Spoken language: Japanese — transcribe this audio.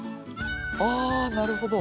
あなるほど。